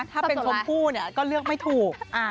ถ้าเป็นชมพู่ก็เลือกไม่ถูก